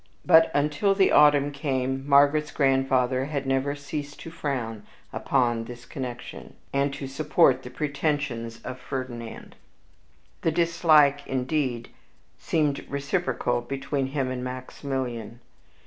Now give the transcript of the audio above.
But, until the autumn came, Margaret's grandfather had never ceased to frown upon this connection, and to support the pretensions of Ferdinand. The dislike, indeed, seemed reciprocal between him and Maximilian.